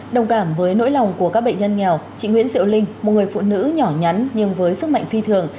đồng cảm với nỗi lòng của các bệnh nhân nghèo chị nguyễn diệu linh một người phụ nữ nhỏ nhắn nhưng với sức mạnh phi thường